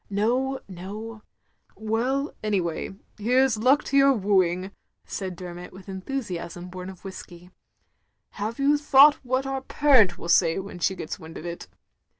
" "No, no—" "Well — anyway, here 's luck to yotir wooing, " said Dermot with the enthusiasm bom of whiskey. "Have you thought what our parent will say when she gets wind of it?"